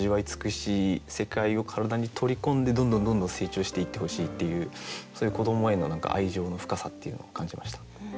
世界を体に取り込んでどんどんどんどん成長していってほしいっていうそういう子どもへの何か愛情の深さっていうのを感じました。